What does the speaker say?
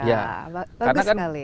bagus sekali ya